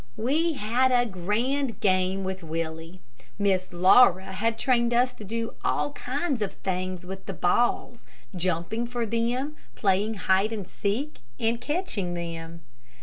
We had a grand game with Willie. Miss Laura had trained us to do all kinds of things with balls jumping for them, playing hide and seek, and catching them.